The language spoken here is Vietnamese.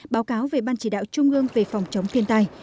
báo cáo về ban chỉ đạo trung ương về phòng chống thiên tai